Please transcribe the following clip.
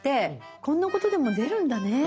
こんなことでも出るんだね。